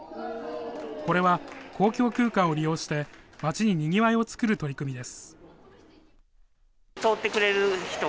これは公共空間を利用して、街ににぎわいをつくる取り組みです。